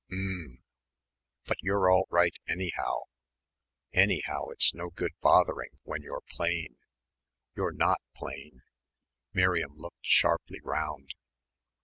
"Mm." "But you're all right, anyhow." "Anyhow, it's no good bothering when you're plain." "You're not plain." Miriam looked sharply round.